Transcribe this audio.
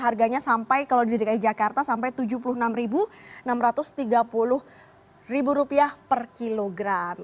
harganya sampai kalau di dki jakarta sampai rp tujuh puluh enam enam ratus tiga puluh per kilogram